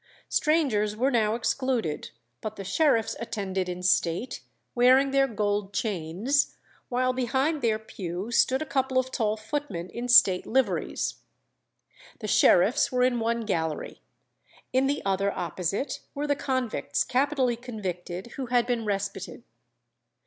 Strangers were now excluded, but the sheriffs attended in state, wearing their gold chains, while behind their pew stood a couple of tall footmen in state liveries. The sheriffs were in one gallery; in the other opposite were the convicts capitally convicted who had been respited.